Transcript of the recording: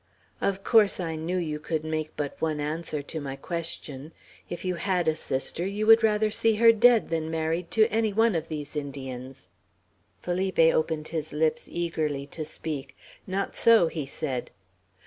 "Of course I knew you could make but one answer to my question. If you had a sister, you would rather see her dead than married to any one of these Indians." Felipe opened his lips eagerly, to speak. "Not so," he said.